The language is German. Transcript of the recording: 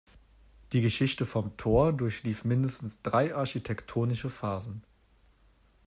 Die Geschichte vom Tor durchlief mindestens drei architektonische Phasen.